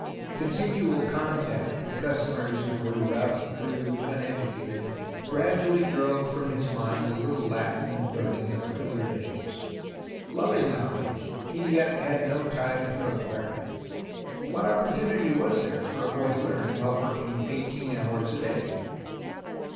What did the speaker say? Continual contact with customers who were rough, crude, uneducated, gradually drove from his mind the little Latin and learning of earlier days. Loving knowledge, he yet had no time to acquire it. What opportunity was there for a boy to learn while working eighteen hours a day